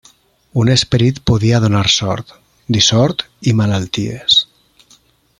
Un esperit podia donar sort, dissort i malalties.